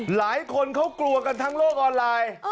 หลายคนเขากลัวกันทั้งโลกออนไลน์